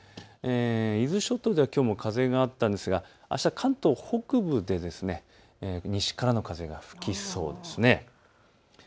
伊豆諸島ではきょうも風があったんですがあした関東北部で西からの風が吹きそうです。